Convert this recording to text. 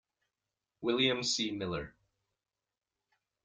William C. Miller.